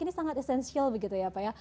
ini sangat esensial begitu ya pak ya